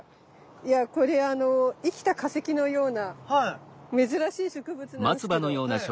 いやこれあの生きた化石のような珍しい植物なんすけど。